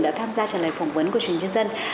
đã tham gia trả lời phỏng vấn của truyền hình nhân dân